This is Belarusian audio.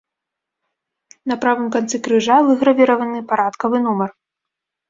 На правым канцы крыжа выгравіраваны парадкавы нумар.